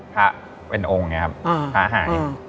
พระเป็นองค์นะครับพระหาย